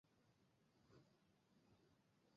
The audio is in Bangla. কি বের করতে পারলে জোটে বড় অংকের অর্থ?